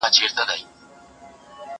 زه اوږده وخت کتابتوننۍ سره تېرووم!.